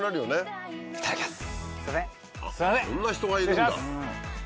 こんな人がいるんだ。